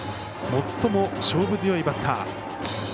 最も勝負強いバッター。